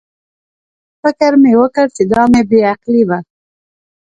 فکر مې وکړ چې دا مې بې عقلي وه.